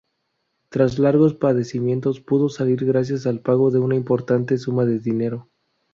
Tras largos padecimientos, pudo salir gracias al pago de una importante suma de dinero.